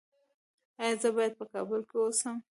ایا زه باید په کابل کې اوسم؟